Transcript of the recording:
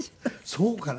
そうかな？